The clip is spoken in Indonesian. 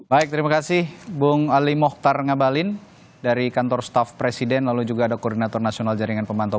baik terima kasih bung ali mohtar ngabalin dari kantor staff presiden lalu juga ada koordinator nasional jaringan pemantau